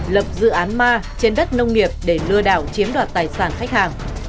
lập dự án ma trên đất nông nghiệp để lừa đảo chiếm đoạt tài sản khách hàng